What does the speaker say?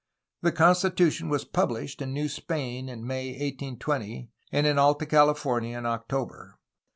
The Constitution was pub lished in New Spain in May 1820, and in Alta California in October.